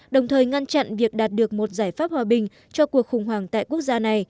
đồng thời ngăn chặn việc đạt được một giải pháp hòa bình cho cuộc khủng hoảng tại quốc gia này